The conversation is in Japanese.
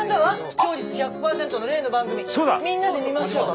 視聴率１００％の例の番組みんなで見ましょう。